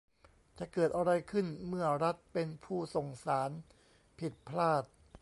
จะเกิดอะไรขึ้นเมื่อรัฐเป็นผู้ส่งสารผิดพลาด !